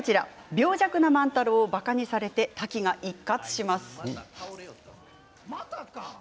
病弱な万太郎をばかにされタキが一喝します。